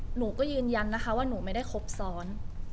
หนูก็ยืนยันนะคะว่าหนูไม่ได้ครบซ้อน